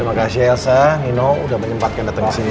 terima kasih ya elsa nino udah menyempatkan dateng kesini ya